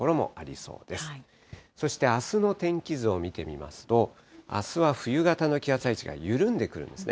そしてあすの天気図を見てみますと、あすは冬型の気圧配置が緩んでくるんですね。